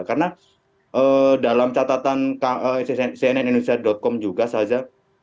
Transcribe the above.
karena dalam catatan cnnindustrial com juga saja